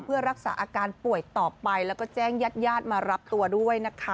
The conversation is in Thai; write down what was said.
เพื่อรักษาอาการป่วยต่อไปแล้วก็แจ้งญาติญาติมารับตัวด้วยนะคะ